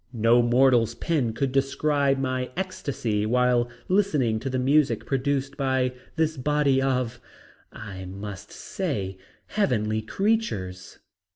No mortal's pen could describe my ecstasy while listening to the music produced by this body of I must say heavenly creatures.